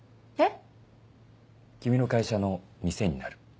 えっ⁉君の会社の店になる。